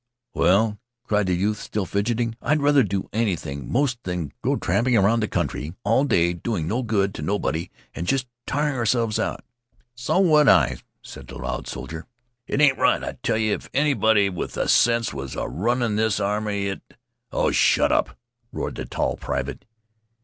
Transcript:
"Well," cried the youth, still fidgeting, "I'd rather do anything 'most than go tramping 'round the country all day doing no good to nobody and jest tiring ourselves out." "So would I," said the loud soldier. "It ain't right. I tell you if anybody with any sense was a runnin' this army it " "Oh, shut up!" roared the tall private.